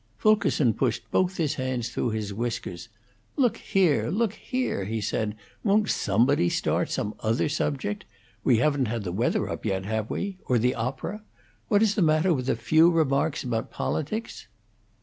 Fulkerson pushed both his hands through his whiskers. "Look here! Look here!" he said. "Won't somebody start some other subject? We haven't had the weather up yet, have we? Or the opera? What is the matter with a few remarks about politics?"